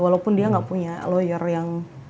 walaupun dia nggak punya lawyer yang